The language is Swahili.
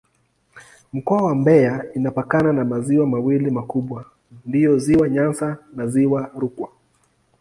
Mkoa wa Mbeya inapakana na maziwa mawili makubwa ndiyo Ziwa Nyasa na Ziwa Rukwa.